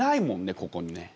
ここにね。